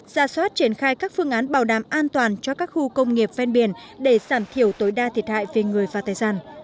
ra soát triển khai các phương án bảo đảm an toàn cho các khu công nghiệp ven biển để giảm thiểu tối đa thiệt hại về người và tài sản